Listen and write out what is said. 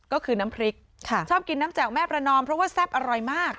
ก็คือน้ำพริกชอบกินน้ำแจ่วแม่ประนอมเพราะว่าแซ่บอร่อยมาก